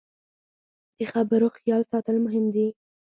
د خبرو خیال ساتل مهم دي